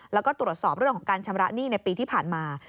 แล้วก็ตรวจสอบเรื่องของการชำระหนี้ในปีที่ผ่านมา